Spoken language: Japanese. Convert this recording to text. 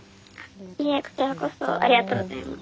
いえこちらこそありがとうございます。